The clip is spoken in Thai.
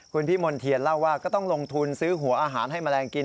คุณพี่มณ์เทียนเล่าว่าก็ต้องลงทุนซื้อหัวอาหารให้แมลงกิน